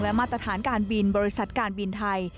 มาตรฐานการบินบริษัทการบินไทย